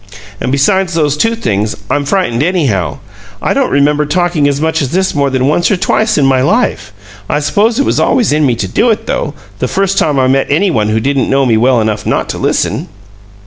And besides these two things, I'm frightened, anyhow. I don't remember talking as much as this more than once or twice in my life. I suppose it was always in me to do it, though, the first time I met any one who didn't know me well enough not to listen."